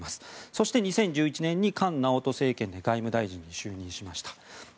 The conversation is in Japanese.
そして２０１１年に菅直人政権で外務大臣に就任しました。